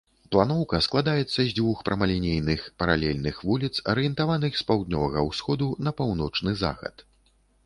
Планоўка складаецца з дзвюх прамалінейных, паралельных вуліц, арыентаваных з паўднёвага ўсходу на паўночны захад.